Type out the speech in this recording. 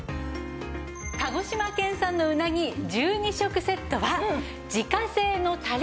鹿児島県産のうなぎ１２食セットは自家製のたれ